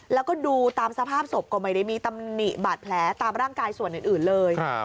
แล้วก็ดูตามสภาพศพก็ไม่ได้มีตำหนิบาดแผลตามร่างกายส่วนอื่นเลย